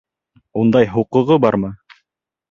Ундай хоҡуғы бармы?